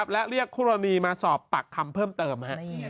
และเรียกคู่กรณีมาสอบปากคำเพิ่มเติม